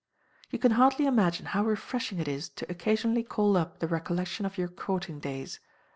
You can hardly imagine how refreshing it is to occasionally call up the recollection of your courting days.